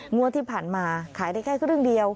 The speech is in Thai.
งวดที่ผ่านมาขายได้แค่ครึ่งเดียว